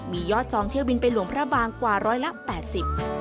มียอดจองเที่ยวบินไปหลวงพระบางกว่า๑๘๐บาท